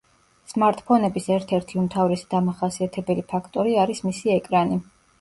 სმარტფონების ერთ-ერთი უმთავრესი დამახასიათებელი ფაქტორი არის მისი ეკრანი.